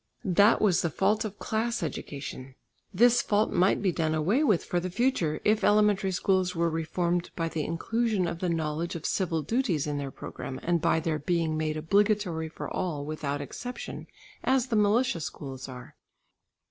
That was the fault of class education. This fault might be done away with for the future, if elementary schools were reformed by the inclusion of the knowledge of civil duties in their programme, and by their being made obligatory for all, without exception, as the militia schools are.